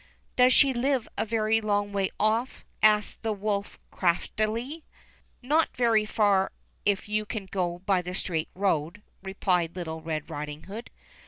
"Does she live a very long way off?" asks the wolf craftily. ''Not so very far if you go by the straight road," replied little Red Riding Hood.